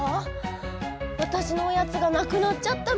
わたしのおやつがなくなっちゃったの！